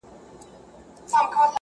لا به تر څو دا سرې مرمۍ اورېږي-